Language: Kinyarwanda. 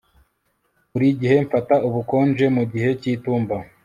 Buri gihe mfata ubukonje mu gihe cyitumba